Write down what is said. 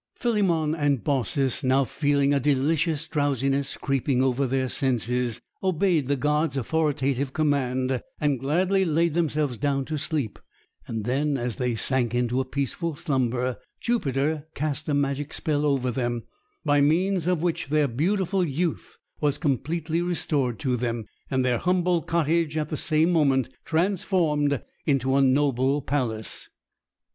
Philemon and Baucis, now feeling a delicious drowsiness creeping over their senses, obeyed the god's authoritative command, and gladly laid themselves down to sleep; and then, as they sank into a peaceful slumber, Jupiter cast a magic spell over them, by means of which their beautiful youth was completely restored to them, and their humble cottage at the same moment transformed into a noble palace.